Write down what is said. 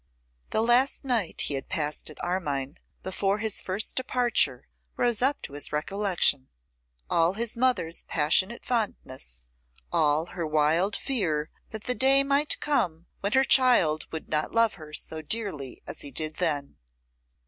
The last night he had passed at Armine, before his first departure, rose up to his recollection; all his mother's passionate fondness, all her wild fear that the day might come when her child would not love her so dearly as he did then.